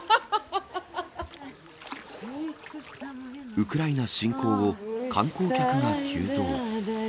ウクライナ侵攻後、観光客が急増。